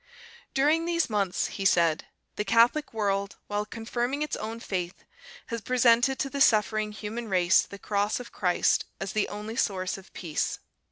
"During these months," he said, "the Catholic world, while confirming its own faith, has presented to the suffering human race the Cross of Christ as the only source of peace.